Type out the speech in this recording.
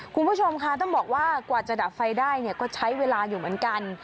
คุณผู้ชมค่ะต้องบอกว่ากว่าจะดับไฟได้เนี่ยก็ใช้เวลาอยู่เหมือนกัน